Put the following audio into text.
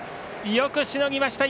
よくしのぎました